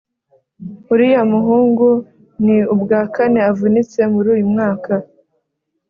uriya muhungu ni ubwa kane avunitse muri uyu mwaka